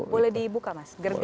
boleh dibuka mas